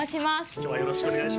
きょうはよろしくお願いしま